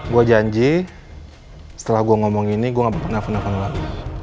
gue janji setelah gue ngomong ini gue gak pernah neff nelfon lagi